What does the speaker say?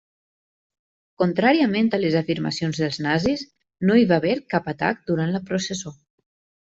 Contràriament a les afirmacions dels nazis, no hi va haver cap atac durant la processó.